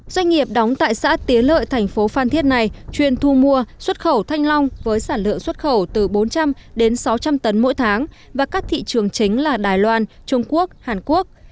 doanh nghiệp đóng tại xã tiến lợi thành phố phan thiết này chuyên thu mua xuất khẩu thanh long với sản lượng xuất khẩu từ bốn trăm linh đến sáu trăm linh tấn mỗi tháng và các thị trường chính là đài loan trung quốc hàn quốc